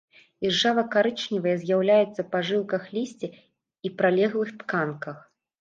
Іржава-карычневыя з'яўляюцца па жылках лісця і прылеглых тканках.